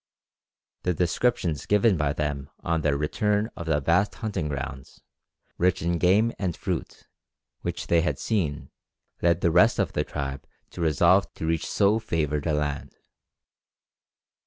The descriptions given by them on their return of the vast hunting grounds, rich in game and fruit, which they had seen, led the rest of the tribe to resolve to reach so favoured a land.